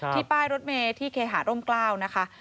ป้ายรถเมย์ที่เคหาร่มกล้าวนะคะ